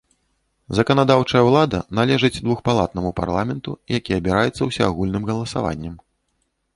Заканадаўчая ўлада належыць двухпалатнаму парламенту, які абіраецца ўсеагульным галасаваннем.